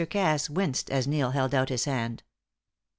Cass winced as Neil held out his hand.